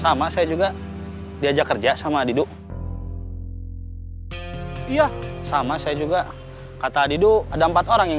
iya sama saya juga diajak kerja sama above ya sama saya juga kata lidow ada empat orang yang